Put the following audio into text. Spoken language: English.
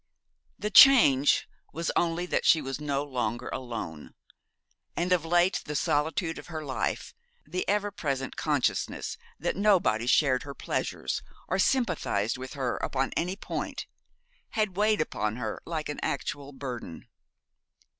The change was only that she was no longer alone; and of late the solitude of her life, the ever present consciousness that nobody shared her pleasures or sympathised with her upon any point, had weighed upon her like an actual burden.